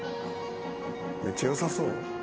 めっちゃ良さそう。